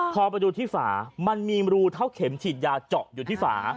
พอไปดูที่ฝามันมีรูเท่าเข็มฉีดยาเจาะอยู่ที่ฝา